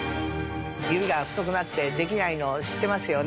指が太くなってできないの知ってますよね？